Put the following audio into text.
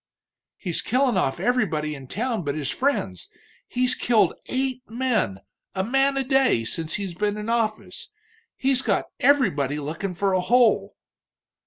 "He's killin' off everybody in town but his friends he's killed eight men, a man a day, since he's been in office. He's got everybody lookin' for a hole."